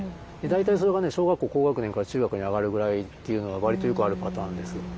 大体それが小学校高学年から中学に上がるぐらいっていうのが割とよくあるパターンです。